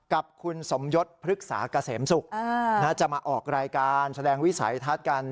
กับคุณสมยศพฤกษาเกษมศุกร์จะมาออกรายการแสดงวิสัยทัศน์กัน